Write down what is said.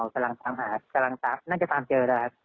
กำลังจะตามเจอแล้ว